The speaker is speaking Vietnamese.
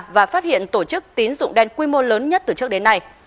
và phát hiện tổ chức tín dụng đen quy mô lớn nhất từ trước đến nay